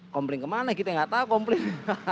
komplain kemana kita nggak tahu komplain